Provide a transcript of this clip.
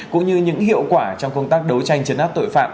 cũng như những hiệu quả trong công tác đấu tranh chấn áp tội phạm